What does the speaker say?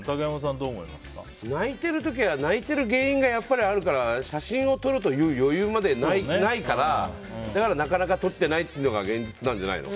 泣いている時は泣いている原因があるから写真を撮るという余裕までないからなかなか撮ってないというのが現実なんじゃないの。